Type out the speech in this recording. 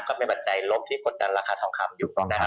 ก็เป็นปัจจัยลบที่ผลกดดันราคาทองคำอยู่